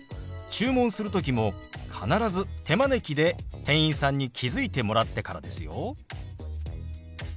注文する時も必ず手招きで店員さんに気付いてもらってからですよ。